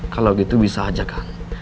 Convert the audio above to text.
kalau gitu bisa aja kang